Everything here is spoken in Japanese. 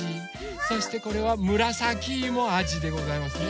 そしてこれはむらさきいもあじでございますね。